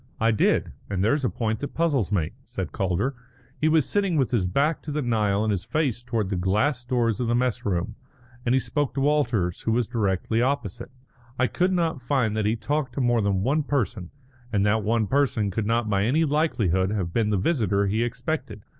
"I did, and there's a point that puzzles me," said Calder. He was sitting with his back to the Nile and his face towards the glass doors of the mess room, and he spoke to Walters, who was directly opposite. "I could not find that he talked to more than one person, and that one person could not by any likelihood have been the visitor he expected.